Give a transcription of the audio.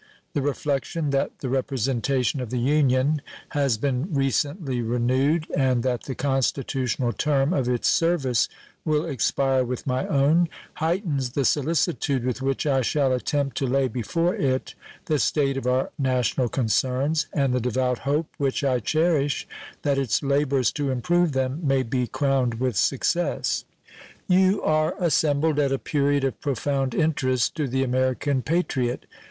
The reflection that the representation of the Union has been recently renewed, and that the constitutional term of its service will expire with my own, heightens the solicitude with which I shall attempt to lay before it the state of our national concerns and the devout hope which I cherish that its labors to improve them may be crowned with success. You are assembled at a period of profound interest to the American patriot.